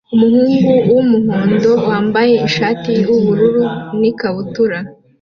Umuhungu wumuhondo wambaye ishati yubururu na ikabutura